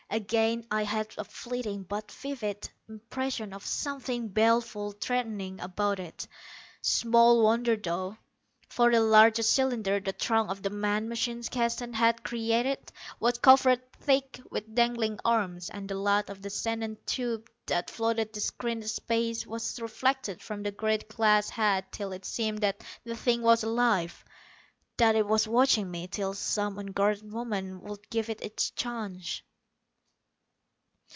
Again I had a fleeting, but vivid, impression of something baleful, threatening, about it. Small wonder, though. For the largest cylinder, the trunk of the man machine Keston had created, was covered thick with dangling arms. And the light of the xenon tube that flooded the screened space was reflected from the great glass head till it seemed that the thing was alive; that it was watching me till some unguarded moment would give it its chance.